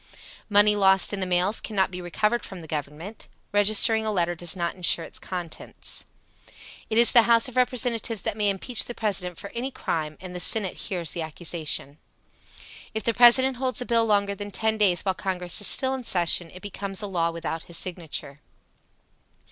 Money lost in the mails cannot be recovered from the Government. Registering a letter does not insure its contents. It is the House of Representatives that may impeach the President for any crime, and the Senate hears the accusation. If the President holds a bill longer than ten days while Congress is still in session, it becomes a law without his signature.